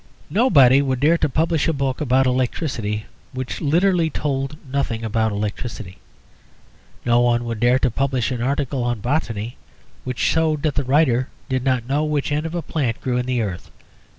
Nobody would dare to publish a book about electricity which literally told one nothing about electricity; no one would dare to publish an article on botany which showed that the writer did not know which end of a plant grew in the earth.